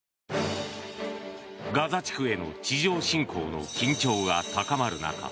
ガザ地区への地上侵攻の緊張が高まる中